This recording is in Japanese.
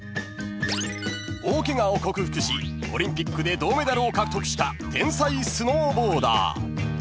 ［大ケガを克服しオリンピックで銅メダルを獲得した天才スノーボーダー］